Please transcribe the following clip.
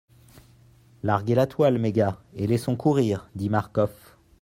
Larguez la toile mes gars, et laissons courir, dit Marcof.